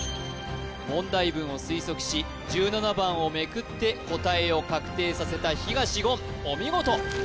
問題文を推測し１７番をめくって答えを確定させた東言お見事！